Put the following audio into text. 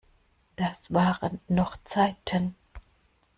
Das waren noch Zeiten!